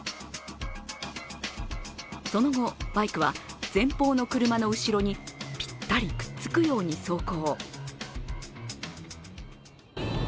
その後、バイクは前方の車の後ろにぴったりくっつくように走行。